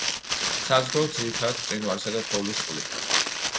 საზრდოობს ძირითადად მყინვარისა და თოვლის წყლით.